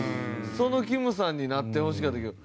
そのきむさんになってほしかったけど。